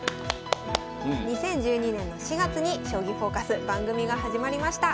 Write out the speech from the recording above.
２０１２年の４月に「将棋フォーカス」番組が始まりました。